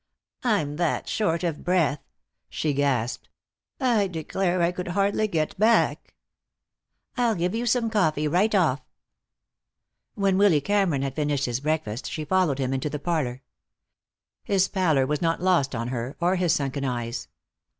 "I'm that short of breath!" she gasped. "I declare I could hardly get back." "I'll give you some coffee, right off." When Willy Cameron had finished his breakfast she followed him into the parlor. His pallor was not lost on her, or his sunken eyes.